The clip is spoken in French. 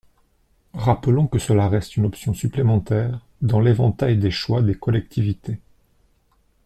Rappelons que cela reste une option supplémentaire dans l’éventail des choix des collectivités.